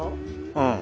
うん。